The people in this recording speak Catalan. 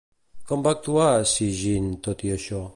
Com va actuar Sigyn, tot i això?